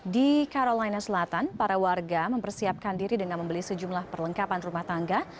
di carolina selatan para warga mempersiapkan diri dengan membeli sejumlah perlengkapan rumah tangga